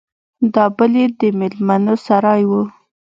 دا بل يې د ميلمنو سراى و.